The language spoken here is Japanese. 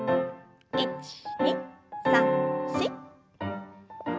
１２３４。